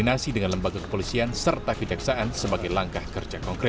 tim pembela jokowi